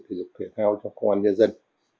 thể dục thể thao cho công an nhân dân